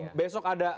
oh besok ada